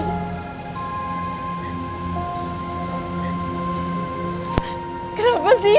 kenapa saya diperlakukan kayak gini